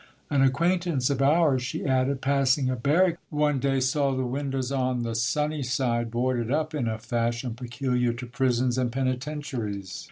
"An acquaintance of ours," she added, "passing a barrack one day, saw the windows on the sunny side boarded up in a fashion peculiar to prisons and penitentiaries.